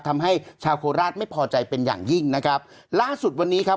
ทำให้ชาวโคราชไม่พอใจเป็นอย่างยิ่งนะครับล่าสุดวันนี้ครับ